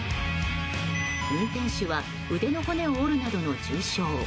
運転手は腕の骨を折るなどの重傷。